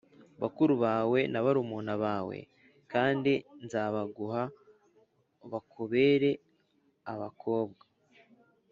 bakuru bawe na barumuna bawe, kandi nzabaguha bakubere abakobwa